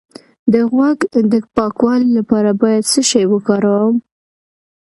د غوږ د پاکوالي لپاره باید څه شی وکاروم؟